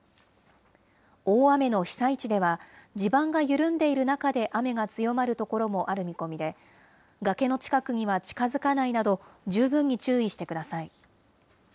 大雨の被災地では、地盤が緩んでいる中で雨が強まる所もある見込みで、崖の近くには近づかないなど、十分に注意してください。